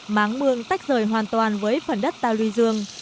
máng mương tách rời hoàn toàn với phần đất tàu lý dương